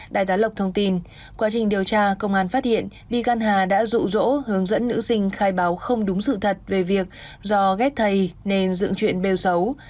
đại gia lộc thông tin quá trình điều tra công an phát hiện bị găn hà đã rụ rỗ hướng dẫn nữ sinh khai báo không đúng sự thật về việc do ghép thầy nên dựng chuyện bêu xấu